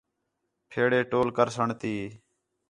پھیڑے ٹول کرسݨ تی